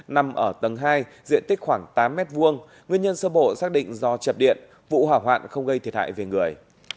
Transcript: nằm ở tầng hai diện tích khoảng tám m hai nguyên nhân sơ bộ xác định do chập điện vụ hỏa hoạn không gây thiệt hại về người